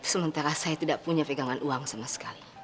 sementara saya tidak punya pegangan uang sama sekali